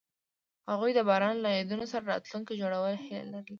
هغوی د باران له یادونو سره راتلونکی جوړولو هیله لرله.